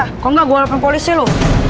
kalau enggak gue lapang polisi lu